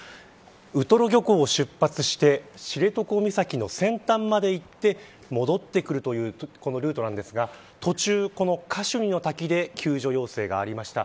ウトロ漁港を出発して知床岬の先端まで行って戻ってくるというこのルートなんですが途中、カシュニの滝で救助要請がありました。